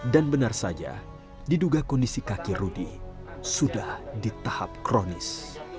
dan benar saja diduga kondisi kaki rudy sudah di tahap kronis